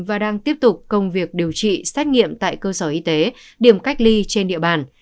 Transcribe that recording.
và đang tiếp tục công việc điều trị xét nghiệm tại cơ sở y tế điểm cách ly trên địa bàn